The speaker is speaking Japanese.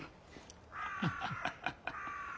ハハハハハ。